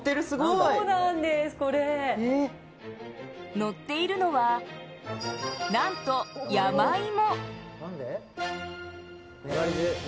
のっているのは、なんと山いも。